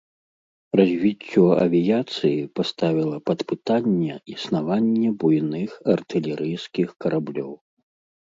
Развіццё авіяцыі паставіла пад пытанне існаванне буйных артылерыйскіх караблёў.